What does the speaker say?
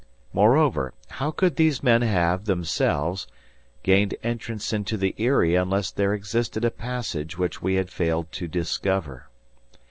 Moreover, how could these men have, themselves, gained entrance into the Eyrie unless there existed a passage which we had failed to discover?